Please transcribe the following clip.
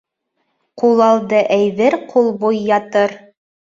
Ҡулалды әйбер ҡулбуй ятыр.